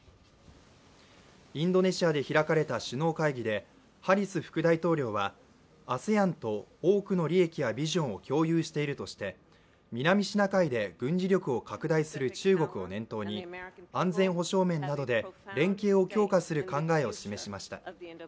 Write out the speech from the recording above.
インドネシアで開かれた首脳会議でハリス副大統領はＡＳＥＡＮと多くの利益やビジョンを共有しているとして南シナ海で軍事力を拡大する中国を念頭に安全保障面などで連携を強化する考えを示しました。